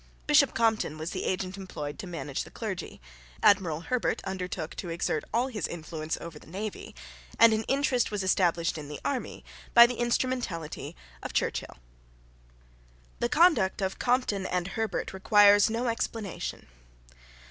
Bishop Compton was the agent employed to manage the clergy: Admiral Herbert undertook to exert all his influence over the navy; and an interest was established in the army by the instrumentality of Churchill. The conduct of Compton and Herbert requires no explanation.